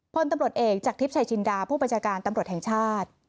พลตำรวจเอกจากทริปชายจินดาผู้บัญชาการตำรวจแห่งชาติ